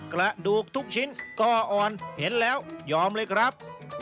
กระดูกทุกชิ้นก็อ่อนเห็นแล้วยอมเลยครับ